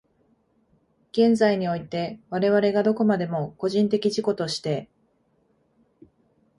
現在において、我々がどこまでも個人的自己として、